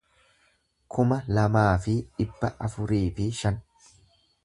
kuma lamaa fi dhibba afurii fi shan